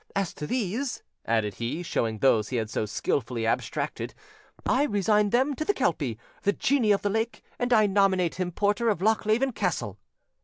As to these," added he, showing those he had so skilfully abstracted, "I resign them to the Kelpie, the genie of the lake, and I nominate him porter of Lochleven Castle."